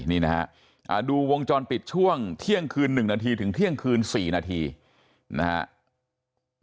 นี่นะฮะดูวงจรปิดช่วงเที่ยงคืน๑นาทีถึงเที่ยงคืน๔นาทีนะครับ